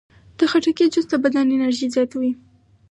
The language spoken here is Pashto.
د خټکي جوس د بدن انرژي زیاتوي.